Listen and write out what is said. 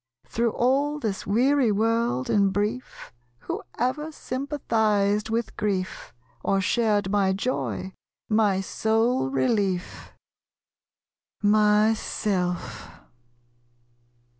Through all this weary world, in brief, Who ever sympathized with grief, Or shared my joy my sole relief? Myself.